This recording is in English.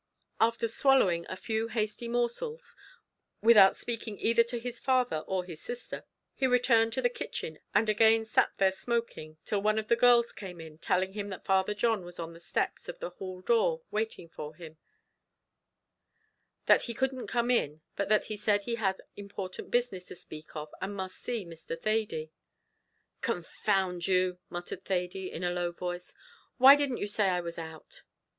After swallowing a few hasty morsels, without speaking either to his father or his sister, he returned to the kitchen and again sat there smoking, till one of the girls came in, telling him that Father John was on the steps of the hall door waiting for him that he couldn't come in, but that he said he had important business to speak of, and must see Mr. Thady. "Confound you," muttered Thady, in a low voice, "why didn't you say I was out?"